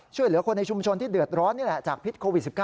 ช่วยเหลือคนในชุมชนที่เดือดร้อนนี่แหละจากพิษโควิด๑๙